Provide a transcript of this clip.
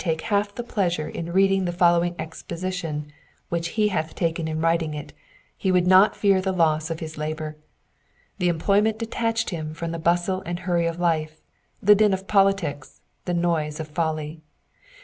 IX take half the pleasure in reading the following exposition which he hath taken in writing it, he would not fear the loss of his labour. The employment detached him from the bustle and hurry of life, the din of politics, and the noise of folly.